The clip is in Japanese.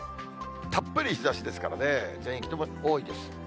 たっぷり日ざしですからね、全域とも多いです。